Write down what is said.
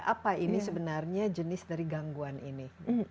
apa ini sebenarnya jenis dari gangguan ini